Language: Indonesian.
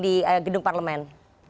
langsung di gedung parlemen